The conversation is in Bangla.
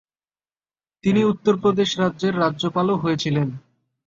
তিনি উত্তরপ্রদেশ রাজ্যের রাজ্যপালও হয়েছিলেন।